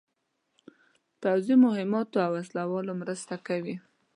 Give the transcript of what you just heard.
پوځي مهماتو او وسلو مرسته کوي.